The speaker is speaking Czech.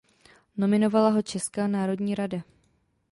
Nominovala ho Česká národní rada.